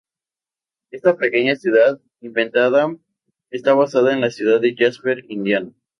Esta pequeña ciudad inventada está basada en la ciudad de Jasper, Indiana.